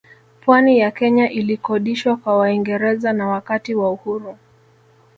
Pwani ya Kenya ilikodishwa kwa Waingereza na Wakati wa uhuru